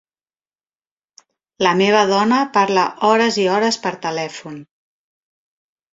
La meva dona parla hores i hores per telèfon.